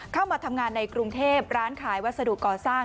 เข้ามาทำงานในกรุงเทพร้านขายวัสดุก่อสร้าง